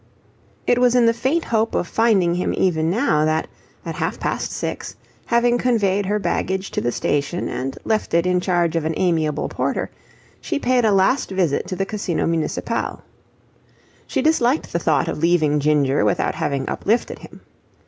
It was in the faint hope of finding him even now that, at half past six, having conveyed her baggage to the station and left it in charge of an amiable porter, she paid a last visit to the Casino Municipale. She disliked the thought of leaving Ginger without having uplifted him.